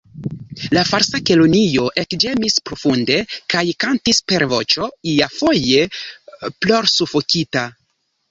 La Falsa Kelonio ekĝemis profunde, kaj kantis per voĉo iafoje plorsufokita.